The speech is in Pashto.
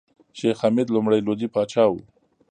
شېخ حمید لومړی لودي پاچا وو.